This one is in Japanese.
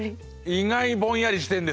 意外にぼんやりしてんです。